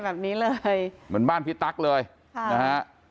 แบบนี้เลยเหมือนบ้านพี่ตั๊กเลยค่ะนะฮะ